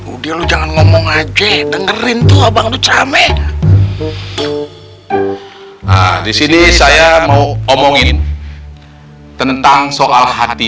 video jangan ngomong aja dengerin tuh abang duca meh nah di sini saya mau omongin tentang soal hati